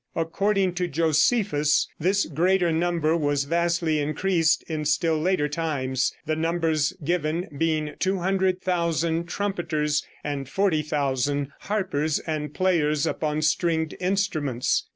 According to Josephus, this great number was vastly increased in still later times, the numbers given being 200,000 trumpeters and 40,000 harpers and players upon stringed instruments.